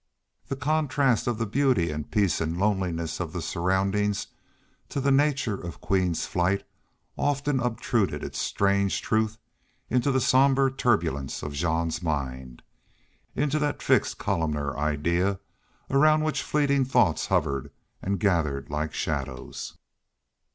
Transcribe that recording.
The contrast of the beauty and peace and loneliness of the surroundings to the nature of Queen's flight often obtruded its strange truth into the somber turbulence of Jean's mind, into that fixed columnar idea around which fleeting thoughts hovered and gathered like shadows.